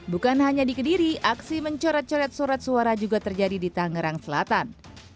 bukan hanya di kediri aksi mencoret coret surat suara juga terjadi di tangerang selatan